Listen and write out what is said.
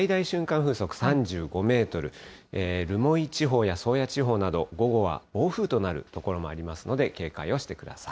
風速３５メートル、留萌地方や宗谷地方など、午後は暴風となる所もありますので、警戒をしてください。